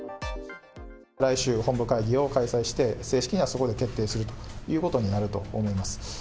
来週、本部会議を開催して、正式にはそこで決定するということになると思います。